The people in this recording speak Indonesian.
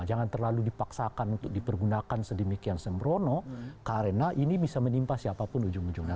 jangan terlalu dipaksakan untuk dipergunakan sedemikian sembrono karena ini bisa menimpa siapapun ujung ujungnya